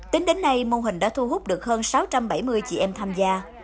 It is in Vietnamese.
tính đến nay mô hình đã thu hút được hơn sáu trăm bảy mươi chị em tham gia